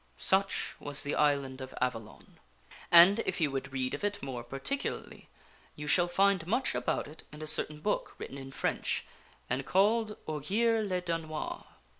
Such was the island of Avalon, and if you would read of it more particu larly you shall find much about it in a certain book written in French and called " Ogier le Danois."